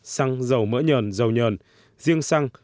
xăng dầu mỡ nhờn dầu nhờn riêng xăng